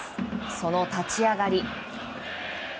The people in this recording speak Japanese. その立ち上がり。